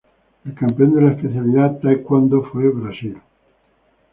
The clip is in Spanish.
El campeón de la especialidad Taekwondo fue Brasil.